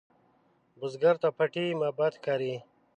بزګر ته پټي معبد ښکاري